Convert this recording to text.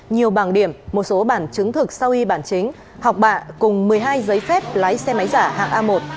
nhiều bảng điểm một số bản chứng thực sau y bản chính học bạ cùng một mươi hai giấy phép lái xe máy giả hàng a một